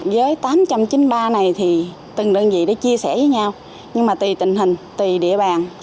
với tám trăm chín mươi ba này thì từng đơn vị đã chia sẻ với nhau nhưng mà tùy tình hình tùy địa bàn